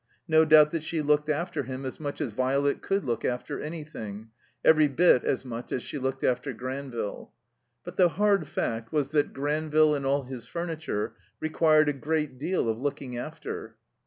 No doubt that she looked after him as much as Violet could look after anything; every bit as much as she looked after Granville. But the hard fact was that Granville and all his furniture required a great deal of looking after.